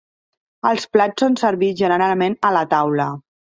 Els plats són servits generalment a la taula.